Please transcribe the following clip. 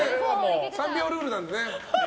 ３秒ルールなんでね。